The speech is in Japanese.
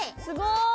すごい。